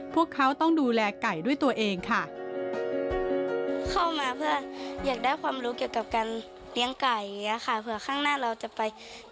พวกเขาต้องดูแลไก่ด้วยตัวเองค่ะ